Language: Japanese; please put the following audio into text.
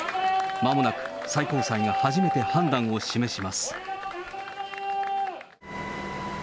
まもなく、最高裁が初めて判断を示します。